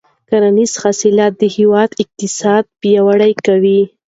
کرنیز حاصلات د هېواد اقتصاد پیاوړی کوي.